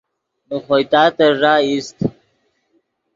نے خوئے تاتن ݱا ایست